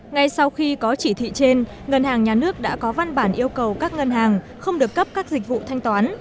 ngay sau khi có chỉ thị trên ngân hàng nhà nước đã có văn bản yêu cầu các ngân hàng không được cấp các dịch vụ thanh toán